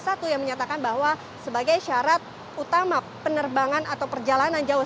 nomor tujuh belas tahun dua ribu dua puluh satu yang menyatakan bahwa sebagai syarat utama penerbangan atau perjalanan jauh